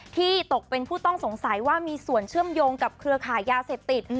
ตกเป็นผู้ต้องสงสัยว่ามีส่วนเชื่อมโยงกับเครือขายยาเสพติด